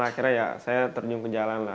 akhirnya ya saya terjun ke jalan lah